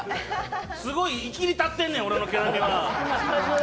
すごいいきり立ってんねん、俺の毛並みは！